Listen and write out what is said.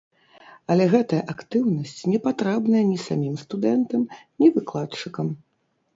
Але гэтая актыўнасць не патрэбная ні самім студэнтам, ні выкладчыкам.